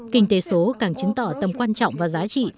kinh tế số càng chứng tỏ tầm quan trọng và giá trị